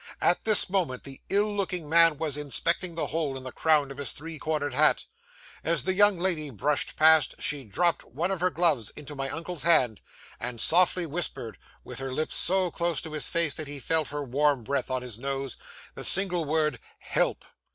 At this moment, the ill looking man was inspecting the hole in the crown of his three cornered hat. As the young lady brushed past, she dropped one of her gloves into my uncle's hand, and softly whispered, with her lips so close to his face that he felt her warm breath on his nose, the single word "Help!"